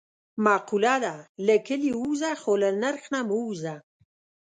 معقوله ده: له کلي ووځه خو له نرخ نه مه وځه.